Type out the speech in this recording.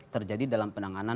terjadi dalam perusahaan